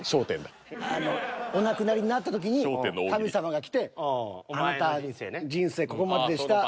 お亡くなりになった時に神様が来て「あなた人生ここまででした。